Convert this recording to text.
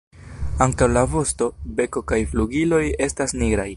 Ankaŭ la vosto, beko kaj flugiloj estas nigraj.